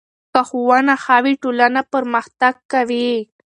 که ښوونه ښه وي، ټولنه پرمختګ کوي.